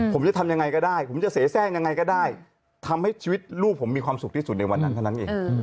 ผมจะทำยังไงก็ได้ผมจะเสียแทรกยังไงก็ได้ทำให้ชีวิตลูกผมมีความสุขที่สุดในวันนั้นเท่านั้นเอง